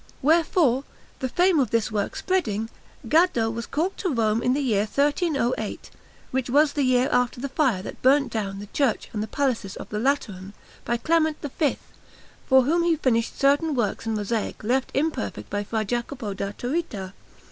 Wherefore, the fame of this work spreading, Gaddo was called to Rome in the year 1308 (which was the year after the fire that burnt down the Church and the Palaces of the Lateran) by Clement V, for whom he finished certain works in mosaic left imperfect by Fra Jacopo da Turrita.